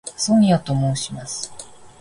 ソニアと申します。